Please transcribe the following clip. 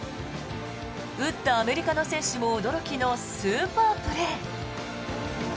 打ったアメリカの選手も驚きのスーパープレー。